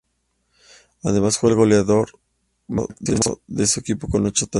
Además, fue el máximo goleador de su equipo con ocho tantos.